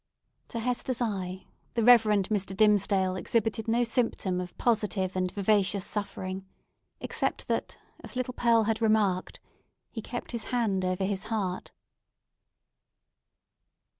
To Hester's eye, the Reverend Mr. Dimmesdale exhibited no symptom of positive and vivacious suffering, except that, as little Pearl had remarked, he kept his hand over his heart.